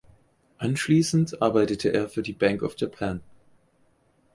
Anschließend arbeitete er für die Bank of Japan.